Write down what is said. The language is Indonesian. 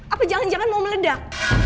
apa jangan jangan mau meledak